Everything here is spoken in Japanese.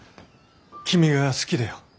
君が好きだよ。